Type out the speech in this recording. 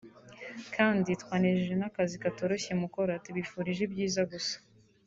kandi twanejejwe n’ akazi katoroshye mukora tubifurije ibyiza gusa